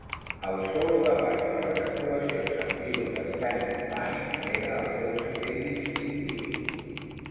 El solo de baix de les actuacions en viu de "Stand in Line" era el seu segell distintiu.